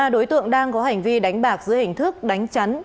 một mươi ba đối tượng đang có hành vi đánh bạc dưới hình thức đánh chắn